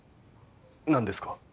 何ですか？